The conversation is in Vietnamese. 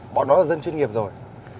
bọn nó là dân chuyên nghiệp rồi